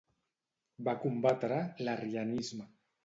Va combatre l'arrianisme.